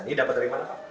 ini dapat dari mana pak